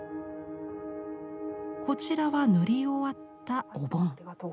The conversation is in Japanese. こちらは塗り終わったお盆。